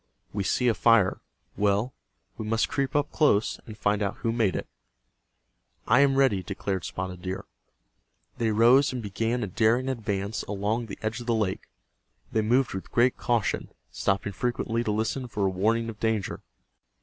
We see a fire. Well, we must creep up close, and find out who made it." "I am ready," declared Spotted Deer. They rose and began a daring advance along the edge of the lake. They moved with great caution, stopping frequently to listen for a warning of danger.